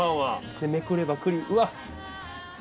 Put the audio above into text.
でめくれば栗うわっ。